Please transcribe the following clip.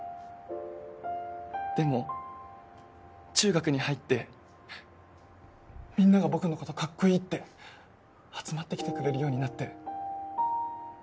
でも中学に入ってみんなが僕の事かっこいいって集まってきてくれるようになって。